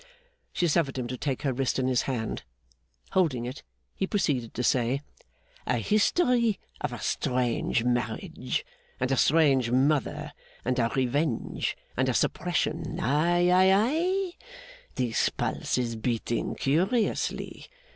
She suffered him to take her wrist in his hand. Holding it, he proceeded to say: 'A history of a strange marriage, and a strange mother, and a revenge, and a suppression. Aye, aye, aye? this pulse is beating curiously!